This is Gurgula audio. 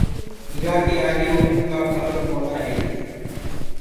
ارآ ڪي آگي مڪوُ ڪآ کبر ڪونآ هي۔